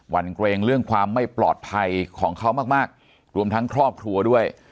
วันเกรงเรื่องความไม่ปลอดภัยของเขามากมากรวมทั้งครอบครัวด้วย